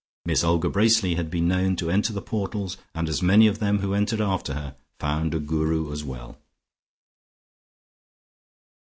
Miss Olga Bracely had been known to enter the portals, and as many of them who entered after her, found a Guru as well.